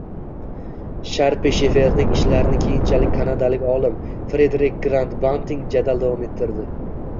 Sharpi-Sheferning ishlarini keyinchalik kanadalik olim Frederik Grant Banting jadal davom ettirdi